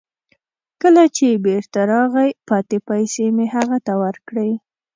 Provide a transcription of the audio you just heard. کله چې بیرته راغی، پاتې پیسې مې هغه ته ورکړې.